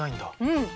うん。